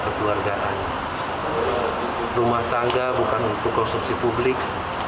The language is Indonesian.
kekeluargaan rumah tangga bukan untuk konsumsi publik